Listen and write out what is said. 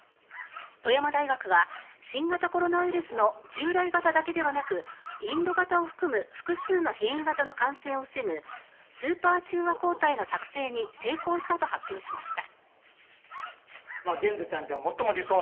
富山大学は新型コロナウイルスの従来型だけではなくインド型を含む複数の変異型の感染を防ぐスーパー中和抗体の作成に成功したと発表しました。